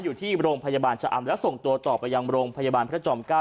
อยู่ที่โรงพยาบาลชะอำแล้วส่งตัวต่อไปยังโรงพยาบาลพระจอม๙